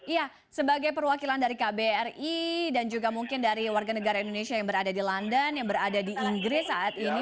iya sebagai perwakilan dari kbri dan juga mungkin dari warga negara indonesia yang berada di london yang berada di inggris saat ini